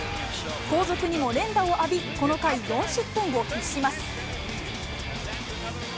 後続にも連打を浴び、この回４失点を喫します。